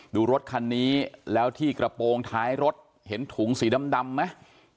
ดูรถคันนี้แล้วที่กระโปรงท้ายรถเห็นถุงสีดำไหม